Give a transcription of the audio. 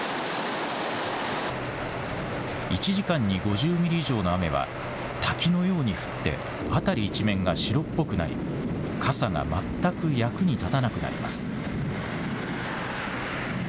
１時間に５０ミリ以上の雨は滝のように降って辺り一面が白っぽくなり傘が全く役に立たなくなります。